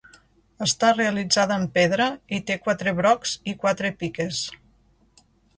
Està realitzada en pedra i té quatre brocs i quatre piques.